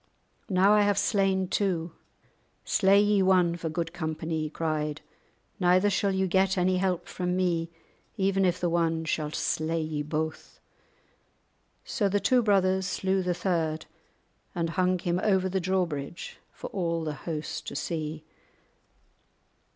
"Now I have slain two; slay ye one for good company," he cried; "neither shall ye get any help from me even if the one shall slay ye both." So the two brothers slew the third, and hung him over the drawbridge for all the host to see.